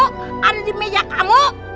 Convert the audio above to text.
di rumah kamu ada di meja kamu